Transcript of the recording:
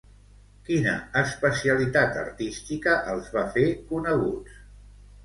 Quina especialitat artística els va fer coneguts?